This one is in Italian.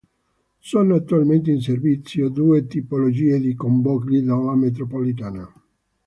Sono attualmente in servizio due tipologie di convogli della metropolitana.